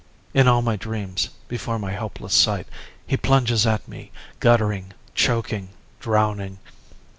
In all my dreams before my helpless sight He plunges at me, guttering, choking, drowning.